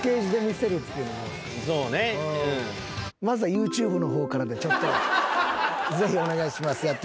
まずはＹｏｕＴｕｂｅの方からでぜひお願いします。